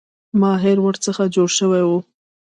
ماهر ورڅخه جوړ شوی وو.